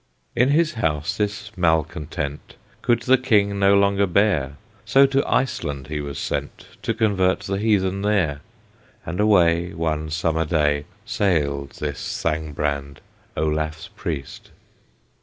In his house this malecontent Could the King no longer bear, So to Iceland he was sent To convert the heathen there, And away One summer day Sailed this Thangbrand, Olaf's Priest.